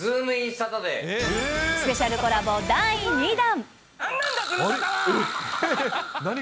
サタスペシャルコラボ第２弾。